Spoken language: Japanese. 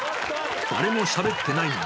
誰もしゃべってないのに。